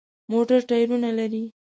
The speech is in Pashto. موټر ټایرونه لري.